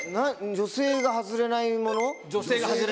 女性が外れないもの？